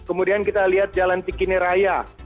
kemudian kita lihat jalan cikineraya